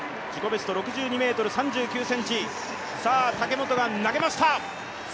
ベスト６２ｍ３９ｃｍ武本が投げました。